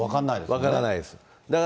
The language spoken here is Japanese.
分からないです。